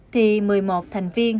thì một mươi một thành viên